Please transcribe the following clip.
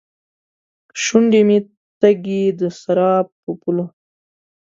شونډې مې تږې ، دسراب په پولو